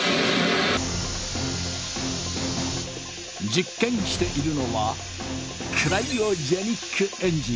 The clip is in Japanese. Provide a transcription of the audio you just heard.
実験しているのは「クライオジェニック・エンジン」。